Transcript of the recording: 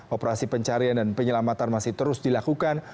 operasi pencarian dan penyelamatan masih terus dilakukan